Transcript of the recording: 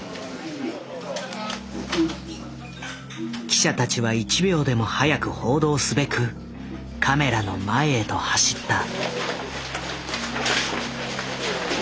記者たちは１秒でも早く報道すべくカメラの前へと走った。